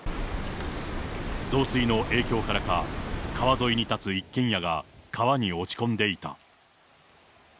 増水の影響からか、川沿いに建つ一軒家が川に落ち込んでいた。